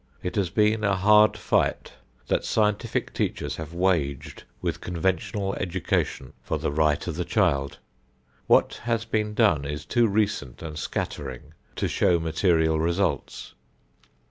It has been a hard fight that scientific teachers have waged with conventional education for the right of the child. What has been done is too recent and scattering to show material results.